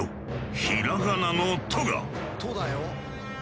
ひらがなの「と」が。